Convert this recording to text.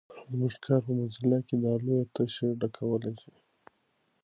زموږ کار په موزیلا کې دا لویه تشه ډکولای شي.